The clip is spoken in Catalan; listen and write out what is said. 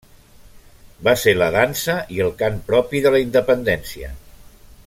Va ser la dansa i el cant propi de la independència.